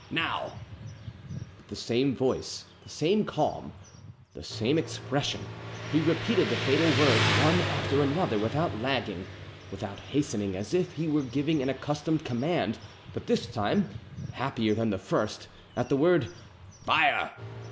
Now——" With the same voice, the same calm, the same expression, he repeated the fatal words one after another, without lagging, without hastening, as if he were giving an accustomed command; but this time, happier than the first, at the word "Fire!"